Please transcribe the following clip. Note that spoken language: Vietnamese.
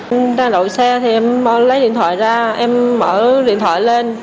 em đang đậu xe em lấy điện thoại ra em mở điện thoại lên